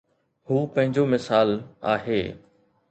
هو پنهنجو مثال آهي.